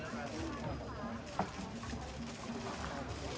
สวัสดีครับทุกคน